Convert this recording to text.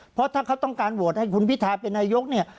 เพราะถ้าเขาต้องการโหวตให้คุณพิทาเป็นนายกเนี่ย